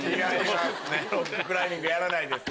ロッククライミングやらないです。